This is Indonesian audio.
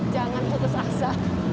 jangan kutus asa